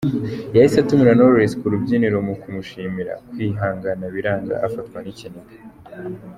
Yahise atumira Knowless ku rubyiniro mu kumushimira kwihangana biranga afatwa n’ikiniga.